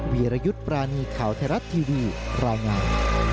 วีรยุทธ์ปรานีข่าวไทยรัฐทีวีรายงาน